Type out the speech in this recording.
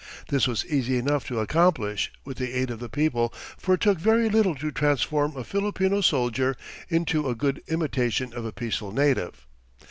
This was easy enough to accomplish, with the aid of the people, for it took very little to transform a Filipino soldier into a good imitation of a peaceful native.